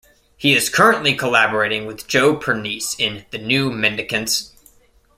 He is currently collaborating with Joe Pernice in The New Mendicants.